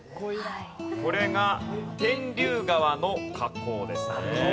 これが天竜川の河口ですね。